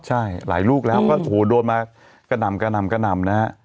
ใช่หลายลูกแล้วก็โอ้โฮโดนมากะนำนะฮะ